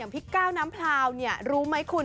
พี่ก้าวน้ำพลาวรู้ไหมคุณ